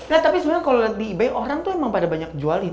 ya tapi sebenernya kalo di ebay orang tuh emang pada banyak jualin